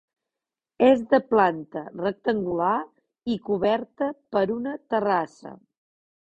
És de planta rectangular i coberta per una terrassa.